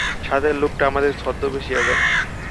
সাথের লোকটা আমাদের ছদ্মবেশী এজেন্ট।